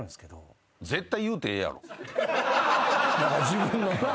自分のな。